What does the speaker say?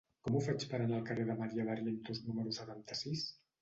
Com ho faig per anar al carrer de Maria Barrientos número setanta-sis?